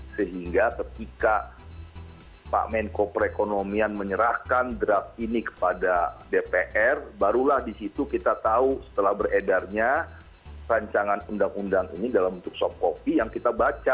sehingga ketika pak menko perekonomian menyerahkan draft ini kepada dpr barulah di situ kita tahu setelah beredarnya rancangan undang undang ini dalam bentuk soft copy yang kita baca